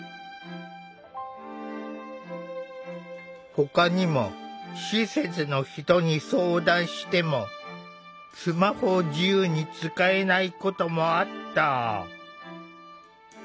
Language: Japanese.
ほかにも施設の人に相談してもスマホを自由に使えないこともあった。